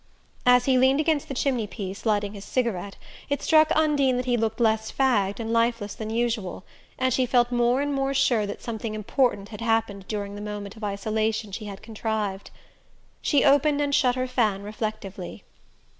As he leaned against the chimney piece, lighting his cigarette, it struck Undine that he looked less fagged and lifeless than usual, and she felt more and more sure that something important had happened during the moment of isolation she had contrived. She opened and shut her fan reflectively.